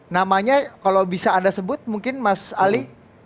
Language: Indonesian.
namanya kalau bisa anda sebut mungkin mas ali